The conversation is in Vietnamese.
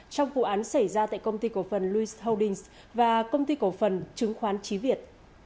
trong vụ án xảy ra tại công ty cổ phần louis holdings và công ty cổ phần chứng khoán trí việt